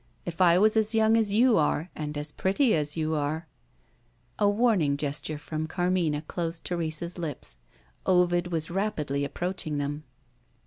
If I was as young as you are, and as pretty as you are " A warning gesture from Carmina closed Teresa's lips. Ovid was rapidly approaching them.